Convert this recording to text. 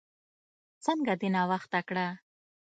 څنګه دې ناوخته کړه؟